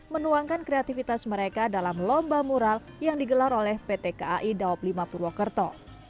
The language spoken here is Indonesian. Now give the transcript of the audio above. menuangkan kreativitas mereka dalam lomba mural yang digelar oleh pt kai daob lima purwokerto